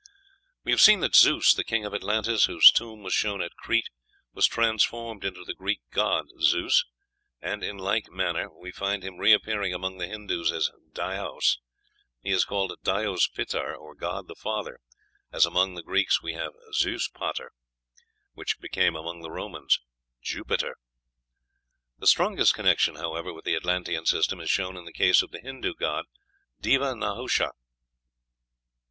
We have seen that Zeus, the king of Atlantis, whose tomb was shown at Crete, was transformed into the Greek god Zeus; and in like manner we find him reappearing among the Hindoos as Dyaus. He is called "Dyaus pitar," or God the Father, as among the Greeks we have "Zeus pater," which became among the Romans "Jupiter." The strongest connection, however, with the Atlantean system is shown in the case of the Hindoo god Deva Nahusha.